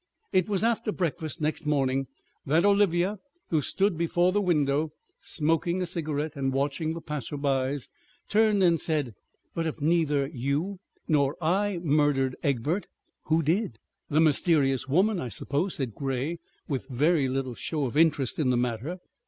It was after breakfast next morning that Olivia, who stood before the window, smoking a cigarette and watching the passers by, turned and said: "But if neither you nor I murdered Egbert, who did?" "The mysterious woman, I suppose," said Grey, with very little show of interest in the matter.